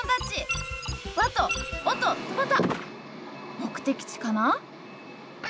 目的地かな？